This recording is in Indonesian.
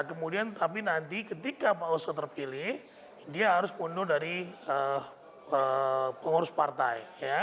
kemudian tapi nanti ketika pak oso terpilih dia harus mundur dari pengurus partai